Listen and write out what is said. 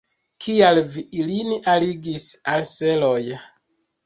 Kial vi ilin alligis al seloj?